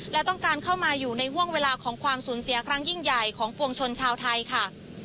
และต้องการเข้ามาอยู่ในห่วงเวลาของความสูญเสียครั้งยิ่งใหญ่ของปวงชนชาวไทยค่ะ